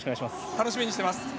楽しみにしています